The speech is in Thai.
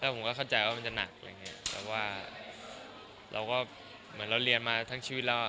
ผมก็เข้าใจว่ามันจะหนักอะไรอย่างเงี้ยแต่ว่าเราก็เหมือนเราเรียนมาทั้งชีวิตแล้ว